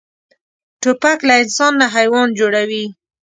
توپک له انسان نه حیوان جوړوي.